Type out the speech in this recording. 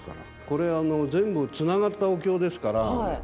これ全部つながったお経ですから。